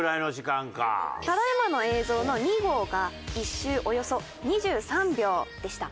ただ今の映像の２号が１周およそ２３秒でした。